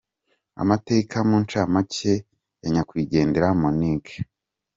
Amateka mu ncamake ya nyakwigendera Monique.